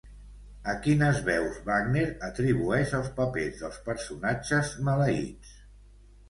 A quines veus Wagner atribueix els papers dels personatges maleïts?